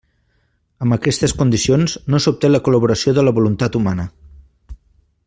Amb aquestes condicions no s'obté la col·laboració de la voluntat humana.